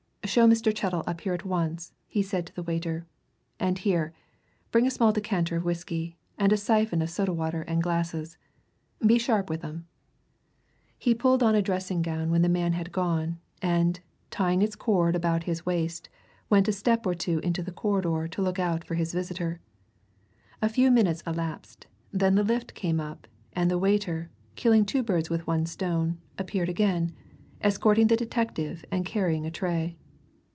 "Show Mr. Chettle up here at once," he said to the waiter. "And here bring a small decanter of whisky and a syphon of soda water and glasses. Be sharp with 'em." He pulled on a dressing gown when the man had gone, and, tying its cord about his waist, went a step or two into the corridor to look out for his visitor. A few minutes elapsed; then the lift came up, and the waiter, killing two birds with one stone, appeared again, escorting the detective and carrying a tray.